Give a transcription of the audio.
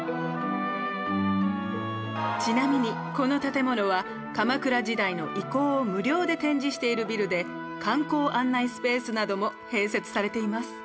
ちなみにこの建物は鎌倉時代の遺構を無料で展示しているビルで観光案内スペースなども併設されています。